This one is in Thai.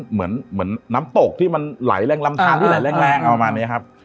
เหมือนน้ำตกที่มันไหลแรงลำทานที่ไหลแรงประมาณนี้ครับ